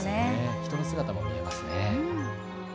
人の姿も見えますね。